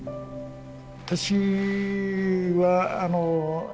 私はあの。